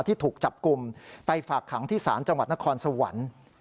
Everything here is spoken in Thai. ที่ถูกจับกลุ่มไปฝากขังที่ศาลจังหวัดนครสวรรค์